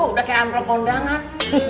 udah kayak ampel kondangan